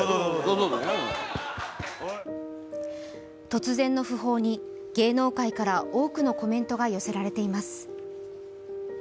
突然の訃報に芸能界から多くのコメントが寄せられています。